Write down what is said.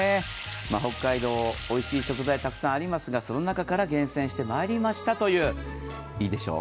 北海道、おいしい食材、たくさんありますがその中から厳選してまいりましたという、いいでしょう？